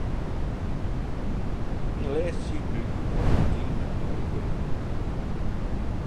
Yn 'e lêste tsien minuten focht it team him goed werom.